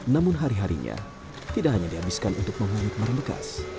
namun hari harinya tidak hanya dihabiskan untuk mengungit barang bekas